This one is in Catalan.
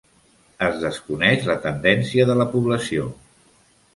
Es desconeix la tendència de la població.